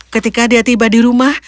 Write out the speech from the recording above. ketika dia tiba di rumah